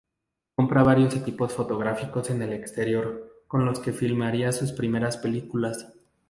Compra varios equipos fotográficos en el exterior, con los que filmaría sus primeras películas.